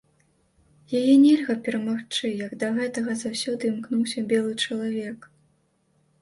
Яе нельга перамагчы, як да гэтага заўсёды імкнуўся белы чалавек.